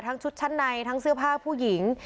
ชุดชั้นในทั้งเสื้อผ้าผู้หญิง